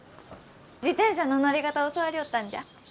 自転車の乗り方教わりょうったんじゃ。